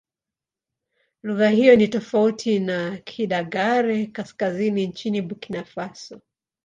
Lugha hiyo ni tofauti na Kidagaare-Kaskazini nchini Burkina Faso.